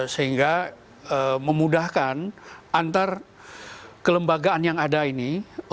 sehingga memudahkan antar kelembagaan yang ada ini